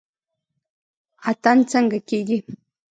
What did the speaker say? اتن څنګه کیږي؟